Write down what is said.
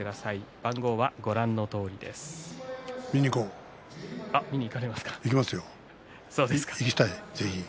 番号はご覧のとおりです。